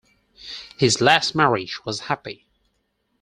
His last marriage was happy.